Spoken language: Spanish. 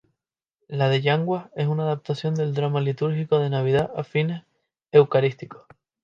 La de Yanguas es una adaptación del drama litúrgico de Navidad a fines eucarísticos.